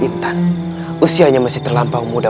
intan usianya masih terlampau muda